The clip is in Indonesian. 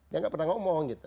dia gak pernah ngomong gitu